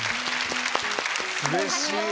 うれしい。